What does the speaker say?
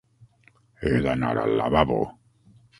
He d'anar al lavabo.